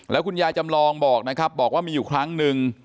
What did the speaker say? แล้วคุณยายจำลองบอกนะครับบอกว่ามีอยู่ครั้งหนึ่ง